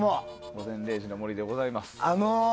「午前０時の森」でございます。